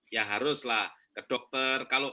ya haruslah ke dokter